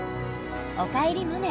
「おかえりモネ」